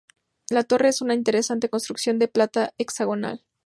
La torre es una interesante construcción de planta hexagonal.